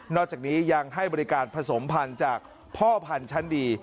อกจากนี้ยังให้บริการผสมพันธุ์จากพ่อพันธุ์ชั้นดี